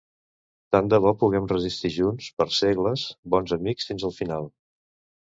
Tant de bo puguem resistir junts per segles, bons amics fins el final.